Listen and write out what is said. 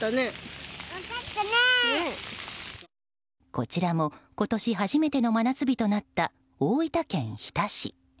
こちらも、今年初めての真夏日となった大分県日田市。